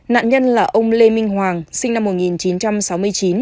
nạn nhân là ông lê minh hoàng sinh năm một nghìn chín trăm sáu mươi chín